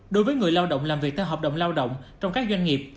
đối với người lao động làm việc theo hợp đồng lao động trong các doanh nghiệp